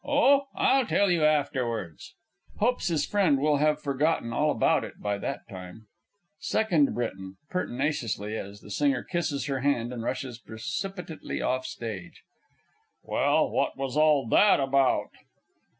oh! I'll tell you afterwards. [Hopes his friend will have forgotten all about it by that time. SECOND B. (pertinaciously, as the Singer kisses her hand, and rushes precipitately off stage). Well, what was all that about?